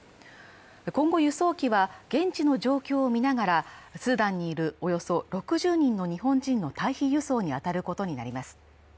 今後、輸送機は現地の状況をみながらスーダンにいるおよそ６０人の日本人の退避輸送に当たることになります。